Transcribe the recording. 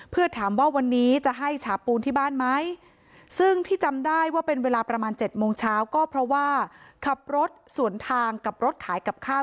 เพื่อถามว่าวันนี้จะให้ฉาปูนที่บ้านไหมซึ่งที่จำได้ว่าเป็นเวลาประมาณ๗โมงเช้าก็เพราะว่าขับรถสวนทางกับรถขายกับข้าว